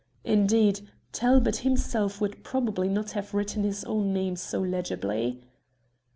Indeed, Talbot himself would probably not have written his own name so legibly.